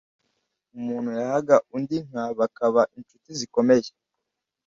Umuntu yahaga undi inka bakaba inshuti zikomeye